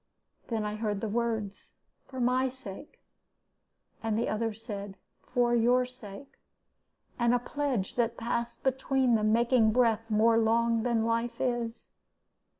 Then I heard the words, 'for my sake,' and the other said, 'for your sake,' a pledge that passed between them, making breath more long than life is.